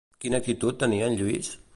Quina actitud tenia en Lluís?